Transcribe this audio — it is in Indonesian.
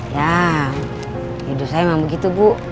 ya hidup saya memang begitu bu